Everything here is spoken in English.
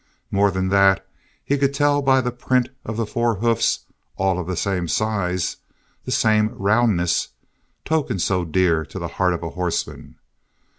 More than that, he could tell by the print of the four hoofs, all of the same size, the same roundness token so dear to the heart of a horseman!